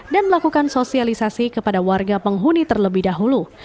melakukan sosialisasi kepada warga penghuni terlebih dahulu